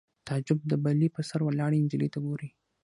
تعجب د بلۍ په سر ولاړې نجلۍ ته ګوري